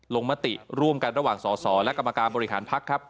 มติร่วมกันระหว่างสอสอและกรรมการบริหารพักครับ